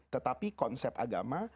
tetapi konsep agama